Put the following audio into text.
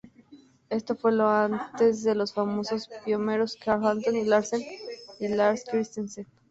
Esto fue antes de los famosos pioneros Carl Anton Larsen y Lars Christensen.